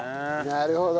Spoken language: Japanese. なるほど。